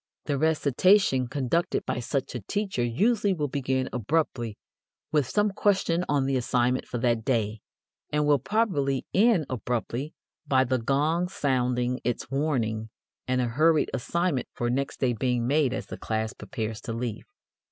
The recitation conducted by such a teacher usually will begin abruptly with some question on the assignment for that day and will probably end abruptly by the gong sounding its warning and a hurried assignment for next day being made as the class prepares to leave.